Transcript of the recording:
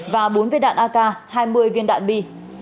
và bốn viên đạn ak hai mươi viên đạn bi